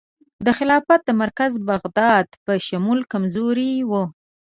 د خلافت د مرکز بغداد په شمول کمزوري وه.